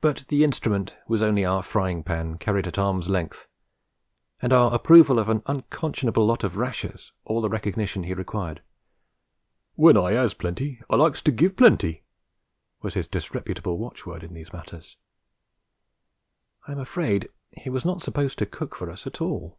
But the instrument was only our frying pan carried at arm's length, and our approval of an unconscionable lot of rashers all the recognition he required. 'W'en I 'as plenty I likes to give plenty,' was his disreputable watchword in these matters. I am afraid he was not supposed to cook for us at all.